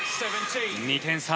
２点差。